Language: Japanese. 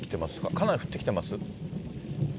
かなり降ってきてます？